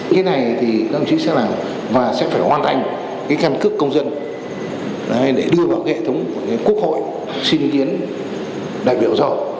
cái này thì đồng chí sẽ làm và sẽ phải hoàn thành cái khen cước công dân để đưa vào hệ thống của quốc hội xin kiến đại biểu rõ